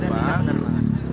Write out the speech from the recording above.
ada tiga penerbang